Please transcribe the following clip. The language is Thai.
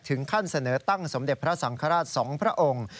ถึงขั้นเสนอตั้งสมเด็จพระสังคราชสองพระองค์